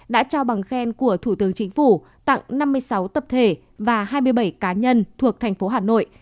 đã trao bằng khen của thủ tướng chính phủ tặng năm mươi sáu tập thể và hai mươi bảy cá nhân thuộc thành phố hà nội